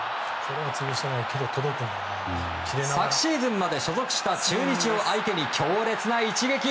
昨シーズンまで所属した中日を相手に強烈な一撃。